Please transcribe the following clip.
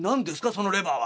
そのレバーは」。